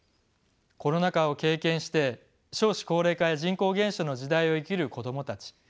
コロナ禍を経験して少子高齢化や人口減少の時代を生きる子どもたち。